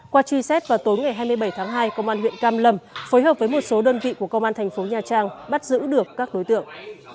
qua truy xét vào tối ngày hai mươi bảy tháng hai công an huyện cam lâm phối hợp với một số đơn vị của công an thành phố nha trang bắt giữ được các đối tượng